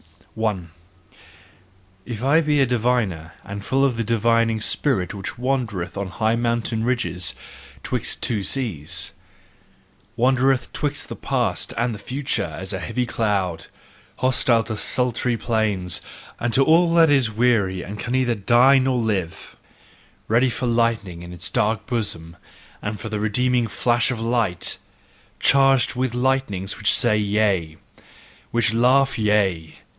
If I be a diviner and full of the divining spirit which wandereth on high mountain ridges, 'twixt two seas, Wandereth 'twixt the past and the future as a heavy cloud hostile to sultry plains, and to all that is weary and can neither die nor live: Ready for lightning in its dark bosom, and for the redeeming flash of light, charged with lightnings which say Yea! which laugh Yea!